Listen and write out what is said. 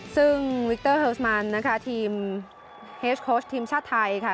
ซึ่งวิกเตอร์เฮิวสมันนะคะทีมเฮสโค้ชทีมชาติไทยค่ะ